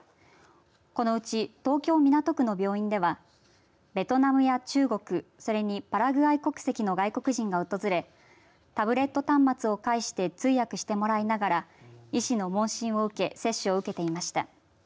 このうち東京港区の病院ではベトナムや中国、それにパラグアイ国籍の外国人が訪れタブレット端末を介して通訳してもらいながら医師の問診を受け接種を受けていました。